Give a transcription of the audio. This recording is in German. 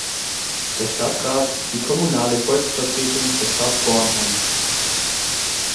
Der Stadtrat ist die kommunale Volksvertretung der Stadt Bornheim.